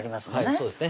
そうですね